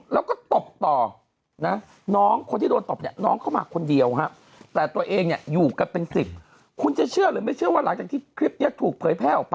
เราไม่อาจเป็นพวกเคอร์ฟิว